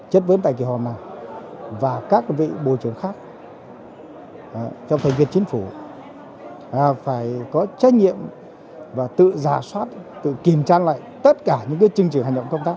đại biểu quốc hội và các vị bộ trưởng khác trong thành viên chính phủ phải có trách nhiệm và tự giả soát tự kiểm tra lại tất cả những chương trình hành động công tác